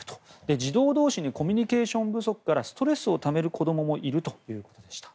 児童同士のコミュニケーション不足からストレスをためる子供もいるということでした。